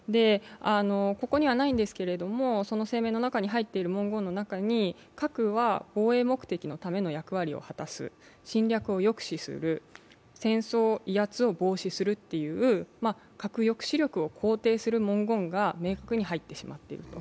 ここにはないんですけど、その声明の中に入っている文言の中に核は防衛目的のための役割を果たす、侵略を抑止する、戦争・威圧を抑止する、核抑止力を肯定する文言が明確に入ってしまっていると。